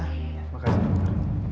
terima kasih pak